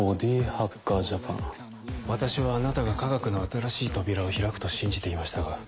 私はあなたが科学の新しい扉を開くと信じていましたが。